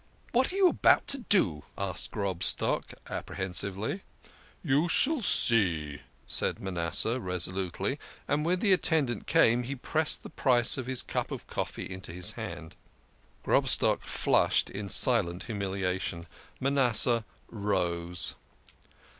"What are you about to do?" cried Grobstock appre hensively. " You shall see," said Manasseh resolutely, and when the attendant came, he pressed the price of his cup of coffee into his hand. 154 THE KING OF SCHNORRERS. Grobstock flushed in silent humiliation. Manasseh rose.